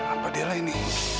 apa dia leni